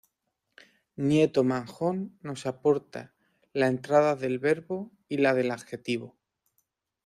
Nieto Manjón nos aporta la entrada del verbo y la del adjetivo.